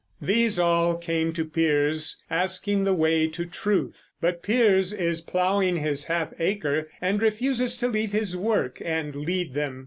These all came to Piers asking the way to Truth; but Piers is plowing his half acre and refuses to leave his work and lead them.